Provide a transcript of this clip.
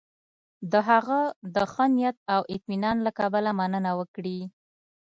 د هغه د ښه نیت او اطمینان له کبله مننه وکړي.